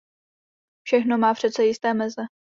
Všechno má přece jisté meze!